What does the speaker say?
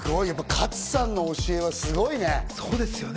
勝さんの教えはすごいね。